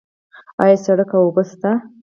آیا سړک او اوبه شته؟